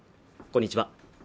こんにちは